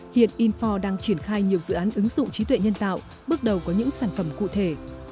hiện info đang triển khai nhiều dự án ứng dụng trí tuệ nhân tạo bước đầu có những sản phẩm cụ thể